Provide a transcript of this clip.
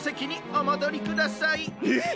えっ！？